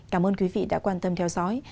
cảm ơn quý vị đã quan tâm theo dõi